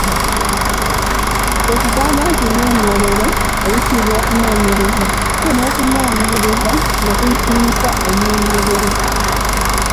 Kwe kugamba nti ennyinyonnyolero eyitimusa okunoonyereza so n’okunoonyereza ne kuyitimusa ennyinyonnyolero.